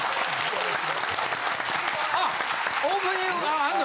あオープニングあんの？